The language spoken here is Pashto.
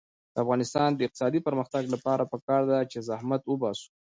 د افغانستان د اقتصادي پرمختګ لپاره پکار ده چې زحمت وباسو.